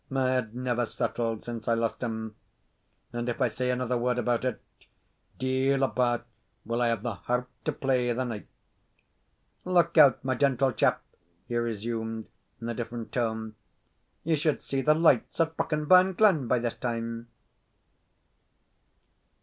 My head never settled since I lost him; and if I say another word about it, deil a bar will I have the heart to play the night. Look out, my gentle chap," he resumed, in a different tone; "ye should see the lights at Brokenburn Glen by this time."